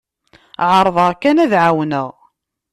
Ɛerḍeɣ kan ad ɛawneɣ.